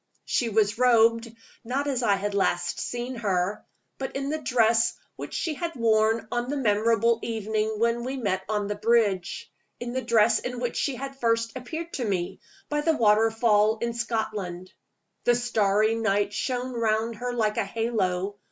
She was robed, not as I had last seen her, but in the dress which she had worn on the memorable evening when we met on the bridge in the dress in which she had first appeared to me, by the waterfall in Scotland. The starry light shone round her like a halo.